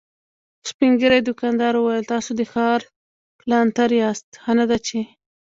سپين ږيری دوکاندار وويل: تاسو د ښار کلانتر ياست، ښه نه ده چې…